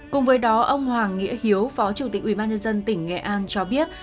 cùng với đó ông hoàng nghĩa hiếu phó chủ tịch ubnd tỉnh nghệ an cho biết